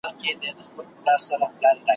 څوک به څرنګه ځان ژغوري له شامته `